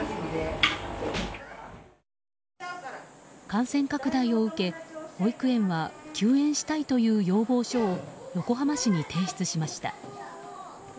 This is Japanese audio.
感染拡大を受け保育園は休園したいという要望書を横浜市に提出しました。